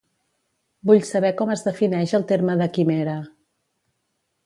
Vull saber com es defineix el terme de quimera.